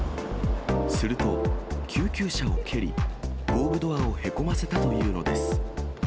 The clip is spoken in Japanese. すると、救急車を蹴り、後部ドアをへこませたというのです。